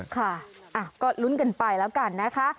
ค่ะก็ลุ้นกันไปแล้วกันนะคะ